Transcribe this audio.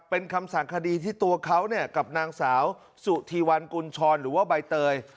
เป็นคำสั่งคดีที่ตัวเขาเนี่ยกับนางสาวสุธีวันกุญชรหรือว่าใบเตย